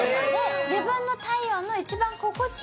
自分の体温の一番心地